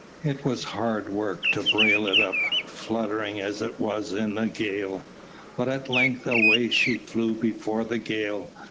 It was hard work to brail it up, fluttering as it was in the gale, but at length away she flew before the gale.